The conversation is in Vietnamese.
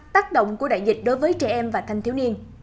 ba tác động của đại dịch đối với trẻ em và thành thiếu niên